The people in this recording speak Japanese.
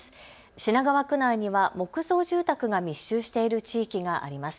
品川区内には木造住宅が密集している地域があります。